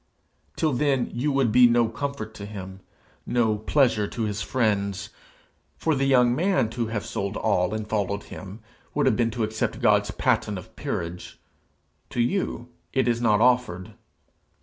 Till then you would be no comfort to him, no pleasure to his friends. For the young man to have sold all and followed him would have been to accept God's patent of peerage: to you it is not offered.